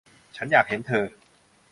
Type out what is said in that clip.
ฉันอยากเห็นเธอ